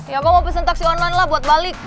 ya gue mau pesan taksi online lah buat balik